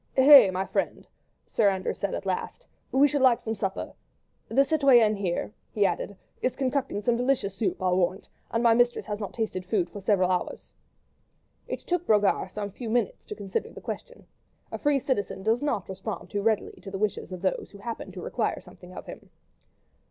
"Hey, my friend!" said Sir Andrew at last, "we should like some supper. ... The citoyenne there," he added, pointing to the huddled up bundle of rags by the hearth, "is concocting some delicious soup, I'll warrant, and my mistress has not tasted food for several hours." It took Brogard some few moments to consider the question. A free citizen does not respond too readily to the wishes of those who happen to require something of him.